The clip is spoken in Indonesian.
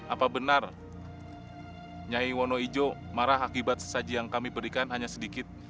apa benar nyahi wono ijo marah akibat sesaji yang kami berikan hanya sedikit